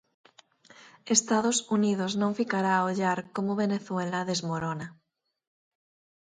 Estados Unidos non ficará a ollar como Venezuela desmorona.